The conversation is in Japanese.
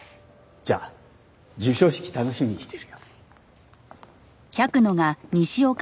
じゃあ授賞式楽しみにしてるよ。